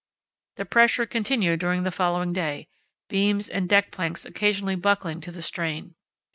The pressure continued during the following day, beams and deck planks occasionally buckling to the strain.